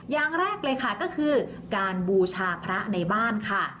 อย่างแรกเลยค่ะก็คือการบูชาพระในบ้านค่ะ